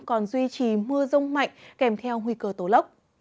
còn duy trì mưa rông mạnh kèm theo nguy cơ tổ lốc